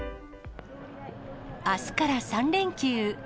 あすから３連休。